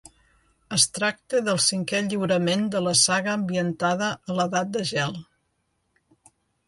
Es tracta del cinquè lliurament de la saga ambientada a l'edat de gel.